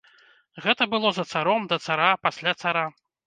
Гэта было за царом, да цара, пасля цара.